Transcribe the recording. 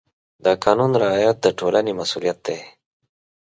د قانون رعایت د ټولنې مسؤلیت دی.